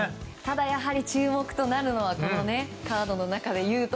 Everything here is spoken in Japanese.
ただやはり注目となるのはカードの中で。